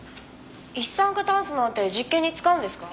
一酸化炭素なんて実験に使うんですか？